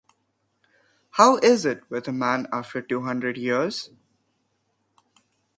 How is it with man after two hundred years?